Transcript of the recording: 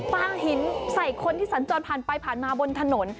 หินใส่คนที่สัญจรผ่านไปผ่านมาบนถนน